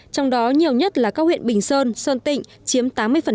trong đó nhiều nhất là các huyện bình sơn sơn tịnh chiếm tám mươi